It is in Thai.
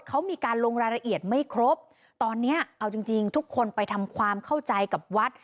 เขามีการลงรายละเอียดไม่ครบตอนเนี้ยเอาจริงจริงทุกคนไปทำความเข้าใจกับวัด